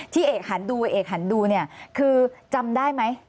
ที่เอกหันดูเอกหันดูเนี่ยคือจำได้ไหม